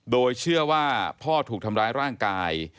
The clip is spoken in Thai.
โดยเชื่อว่าพ่อถูกทำร้ายร่างกาย